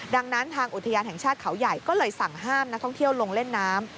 ดังนั้นทางอุทยานแห่งชาติเขาใหญ่ก็เลยสั่งห้ามนักท่องเที่ยวลงเล่นน้ำ